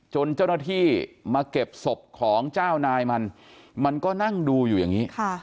จนเจ้าหน้าที่มาเก็บศพของเจ้านายมันมันก็นั่งดูอยู่อย่างนี้